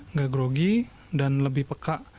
nggak grogi dan lebih peka